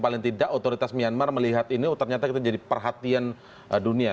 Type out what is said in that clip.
paling tidak otoritas myanmar melihat ini oh ternyata itu menjadi perhatian dunia